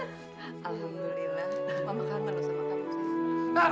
alhamdulillah mama kangen nggak usah makan